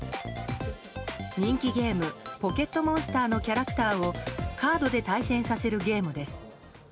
人気ゲーム「ポケットモンスター」のキャラクターをカードで対戦させるゲームです。